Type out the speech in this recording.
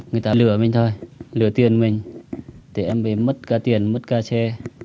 người ta lửa mình thôi lửa tiền mình thì em bị mất cả tiền mất cả xe